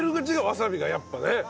わさびがやっぱね。